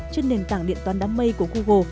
trên nền tảng điện toán đám mây của google